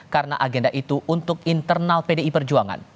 karena agenda itu untuk internal pdi perjuangan